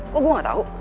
kok gue gak tau